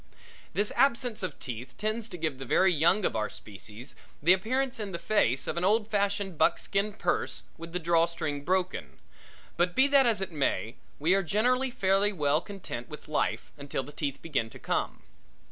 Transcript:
This absence of teeth tends to give the very young of our species the appearance in the face of an old fashioned buckskin purse with the draw string broken, but be that as it may, we are generally fairly well content with life until the teeth begin to come.